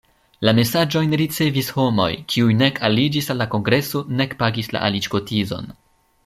La mesaĝojn ricevis homoj, kiuj nek aliĝis al la kongreso nek pagis la aliĝkotizon.